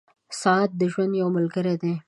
• ساعت د ژوند یو ملګری دی.